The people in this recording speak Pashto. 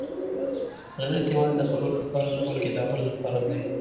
غیرت یوازې د خبرو لپاره نه، بلکې د عمل لپاره دی.